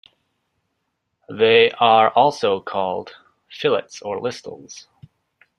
They are also called fillets or listels.